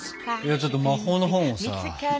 ちょっと魔法の本をさ。